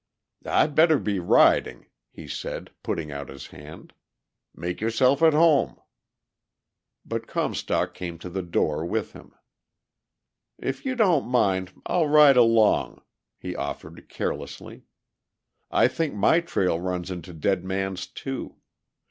"I'd better be riding," he said, putting out his hand. "Make yourself at home." But Comstock came to the door with him. "If you don't mind I'll ride along," he offered carelessly. "I think my trail runs into Dead Man's, too.